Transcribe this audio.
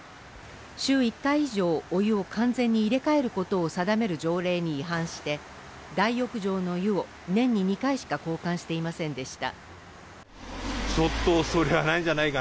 週１回以上、お湯を完全に入れ替えることを定める条例に違反して大浴場の湯を年に２回しか交換していませんでした。